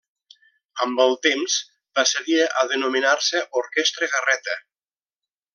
Amb el temps, passaria a denominar-se Orquestra Garreta.